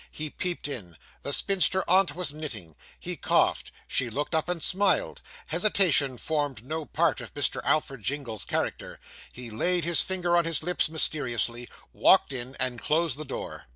He peeped in. The spinster aunt was knitting. He coughed; she looked up and smiled. Hesitation formed no part of Mr. Alfred Jingle's character. He laid his finger on his lips mysteriously, walked in, and closed the door.